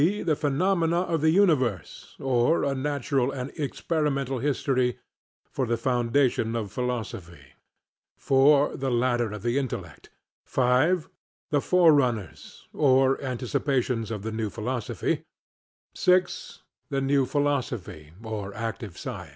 The Phenomena of the Universe; or a Natural and Experimental History for the foundation of Philosophy. 4. The Ladder of the Intellect. 5. The Forerunners; or Anticipations of the New Philosophy. 6. The New Philosophy; or Active Science.